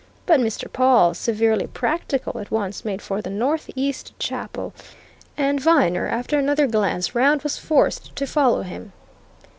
But Mr. Pawle, severely practical, at once made for the northeast chapel; and Viner, after another glance round, was forced to follow him.